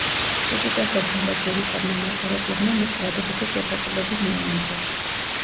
კრიტიკოსებმა და ძირითადმა მაყურებლებმა მას დადებითი შეფასებები მიანიჭეს.